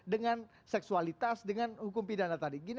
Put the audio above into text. dengan seksualitas dengan hukum pidana tadi